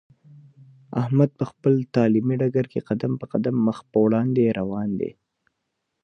احمد په خپل تعلیمي ډګر کې قدم په قدم مخ په وړاندې روان دی.